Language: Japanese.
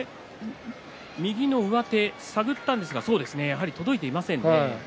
右の上手を探りましたが届いていませんね。